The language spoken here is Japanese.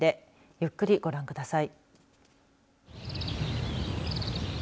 ゆっくりご覧ください。